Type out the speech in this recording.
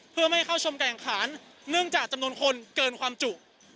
เพื่อไม่เข้าชมการแข่งขันเนื่องจากจำนวนคนเกินความจุ